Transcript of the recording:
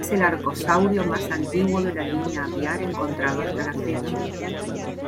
Es el arcosaurio más antiguo de la línea aviar encontrado hasta la fecha.